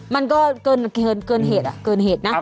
มันก็เกินเหตุอ่ะ